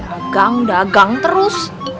dagang dagang terus